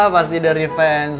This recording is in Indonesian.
pasti dari fans